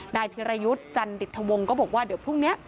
ธิรยุทธ์จันดิตทวงก็บอกว่าเดี๋ยวพรุ่งนี้